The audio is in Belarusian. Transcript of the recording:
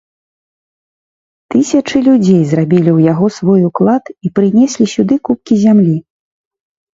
Тысячы людзей зрабілі ў яго свой уклад і прынеслі сюды купкі зямлі.